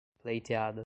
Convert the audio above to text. pleiteada